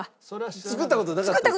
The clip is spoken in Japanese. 作った事なかったですか？